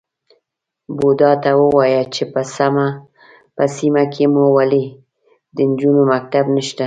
_بوډا ته ووايه چې په سيمه کې مو ولې د نجونو مکتب نشته؟